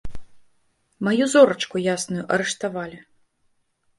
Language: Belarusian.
Маю зорачку ясную арыштавалі.